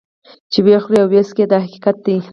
چې وخوري او وڅکي دا حقیقت دی.